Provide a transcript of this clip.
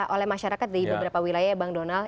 oleh masyarakat di beberapa wilayah bank donal